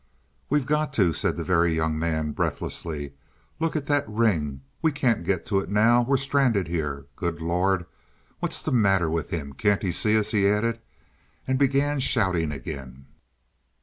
"We've got to," said the Very Young Man breathlessly. "Look at that ring. We can't get to it now. We're stranded here. Good Lord! What's the matter with him can't he see us?" he added, and began shouting again.